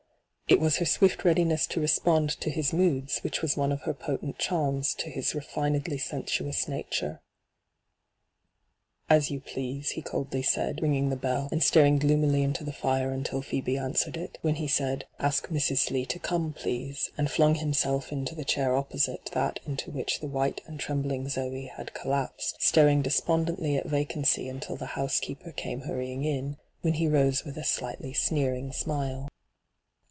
It was her swift readiness to respond to his moods which was one of her potent charms to his refinedly sensuous nature. ' Ab you please,' he coldly said, ringing the bell, and staring gloomily into the fire until Phoebe answered it, when he said, ' Ask hyGoogIc 24 ENTRAPPED Mrs. Slee to come, please,' and flung himself into the chair opposite that into which the white and trembling Zoe had collapsed, staring despondently at vacancy until the housekeeper came hurrying in, when he rose with a slightly sneering smile.